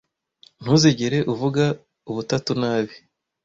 Ntuzigere uvuga Ubutatu nabi